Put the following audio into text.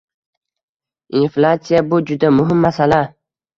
Inflyatsiya --- bu juda muhim masala